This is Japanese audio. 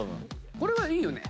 これはいいよね。